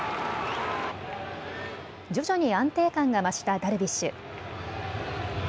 徐々に安定感が増したダルビッシュ。